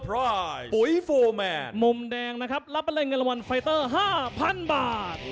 รับเป็นแรงนะครับรับเป็นแรงเงินรางวัลไฟเตอร์๕๐๐๐บาท